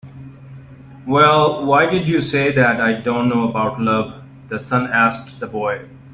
"Well, why did you say that I don't know about love?" the sun asked the boy.